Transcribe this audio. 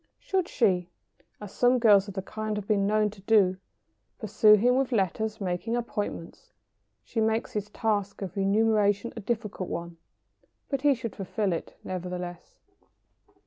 Should she, as some girls of the kind have been known to do, pursue him with letters making appointments, she makes his task of renunciation a difficult one, but he should fulfil it nevertheless.